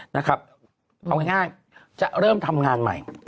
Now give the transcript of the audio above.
เอาง่ายจะเริ่มทำงานใหม่